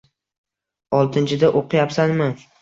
Oltinchida oʻqiyapsanmi?